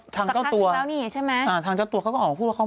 ทางเจ้าตัวเขาก็ออกมาพูดว่า